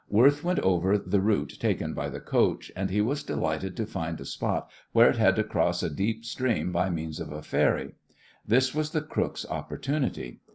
Worth went over the route taken by the coach, and he was delighted to find a spot where it had to cross a deep stream by means of a ferry. This was the crook's opportunity.